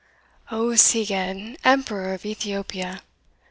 O Seged, Emperor of Ethiopia!"